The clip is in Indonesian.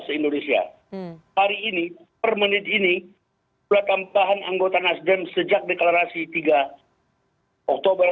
seindonesia hari ini permenit ini telah tampahan anggota nasdem sejak deklarasi tiga oktober delapan belas ribu empat ratus empat puluh enam